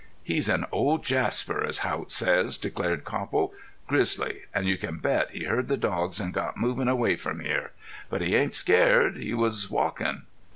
"He's an old Jasper, as Haught says," declared Copple. "Grizzly. An' you can bet he heard the dogs an' got movin' away from here. But he ain't scared. He was walkin'."